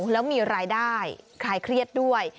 แล้วมีรายได้คลายเครียดด้วย